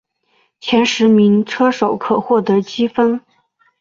前十名车手可获得积分。